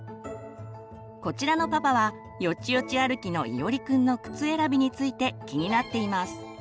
こちらのパパはよちよち歩きのいおりくんの靴選びについて気になっています。